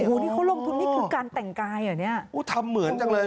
โอ้โหนี่คือการแต่งกายอ่ะเนี่ย